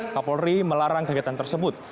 kapolri melarang kegiatan tersebut